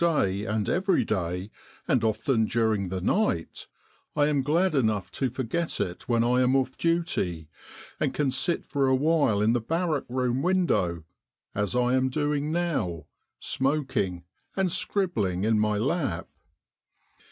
in Egypt and every day, and often during the night, I am gjad enough to forget it when I am off duty, and can sit for a while in the barrack room window as I am doing now smoking, and 'scribbling in my lap.